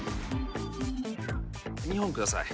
２本ください